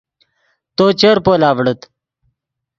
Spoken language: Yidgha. تو چر پول آڤڑیت